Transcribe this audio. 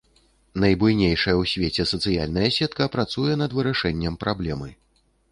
Найбуйнейшая ў свеце сацыяльная сетка працуе над вырашэннем праблемы.